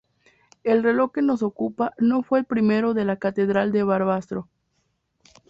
El reloj que nos ocupa no fue el primero de la catedral de Barbastro.